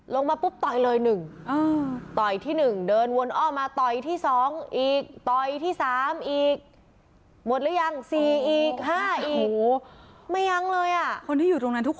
ลงมาปุ๊บต่อยเลย๑